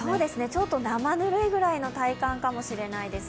ちょっとなまぬるいぐらいの体感かもしれないです